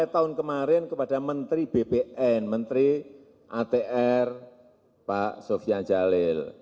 tahun kemarin kepada menteri bpn menteri atr pak sofian jalil